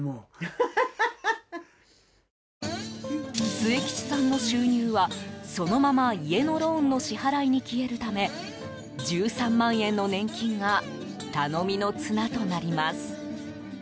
末吉さんの収入はそのまま家のローンの支払いに消えるため１３万円の年金が頼みの綱となります。